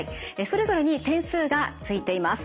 それぞれに点数がついています。